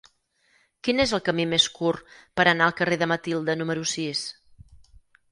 Quin és el camí més curt per anar al carrer de Matilde número sis?